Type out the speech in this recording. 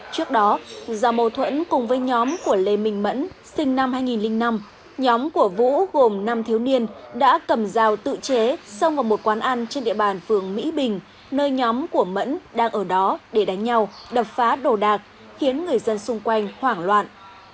trước đó do mâu thuẫn cùng với nhóm của lê minh mẫn sinh năm hai nghìn năm nhóm của vũ gồm năm thiếu niên đã cầm rào tự chế xông vào một quán ăn trên địa bàn phường mỹ bình nơi nhóm của mẫn đang ở đó để đánh nhau đập phá đồ đạc khiến người dân xung quanh hoảng loạn